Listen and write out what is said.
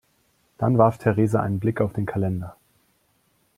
Dann warf Theresa einen Blick auf den Kalender.